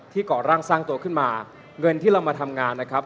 ก่อร่างสร้างตัวขึ้นมาเงินที่เรามาทำงานนะครับ